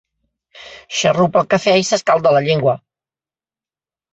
Xarrupa el cafè i s'escalda la llengua.